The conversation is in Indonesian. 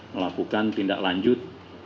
melakukan tindak lanjut